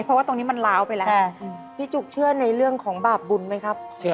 พี่จุขื่อในเรื่องของบาปบุญไปครับ